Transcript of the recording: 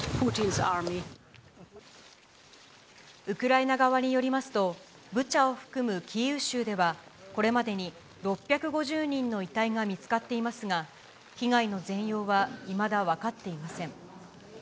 ウクライナ側によりますと、ブチャを含むキーウ州では、これまでに６５０人の遺体が見つかっていますが、被害の全容はいまだ分かっていません。